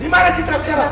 dimana citra sekarang